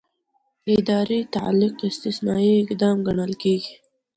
اداري تعلیق استثنايي اقدام ګڼل کېږي.